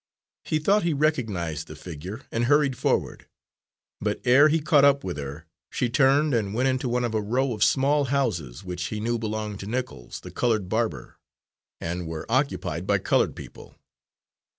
He thought he recognised the figure, and hurried forward; but ere he caught up with her, she turned and went into one of a row of small houses which he knew belonged to Nichols, the coloured barber, and were occupied by coloured people.